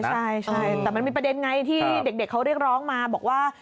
ใช่แต่มันมีประเด็นไงที่เด็กเขาเรียกร้องมาบอกว่า